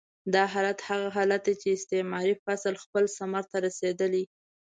دا حالت هغه حالت دی چې استعماري فصل خپل ثمر ته رسېدلی.